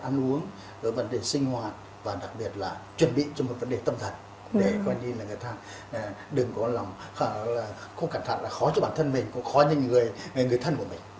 vấn đề ăn uống vấn đề sinh hoạt và đặc biệt là chuẩn bị cho một vấn đề tâm thật để coi như là người ta đừng có lòng không cẩn thận là khó cho bản thân mình cũng khó cho người thân của mình